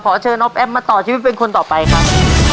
เชิญออฟแอฟมาต่อชีวิตเป็นคนต่อไปครับ